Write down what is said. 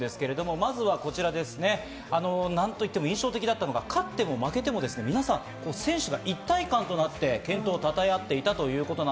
まずはこちら、印象的だったのが勝っても負けても皆さん選手が一体感となって健闘をたたえ合っていたということ。